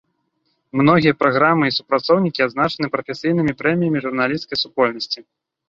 Многія праграмы і супрацоўнікі адзначаны прафесійнымі прэміямі журналісцкай супольнасці.